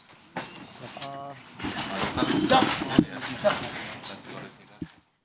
terima kasih banyak pak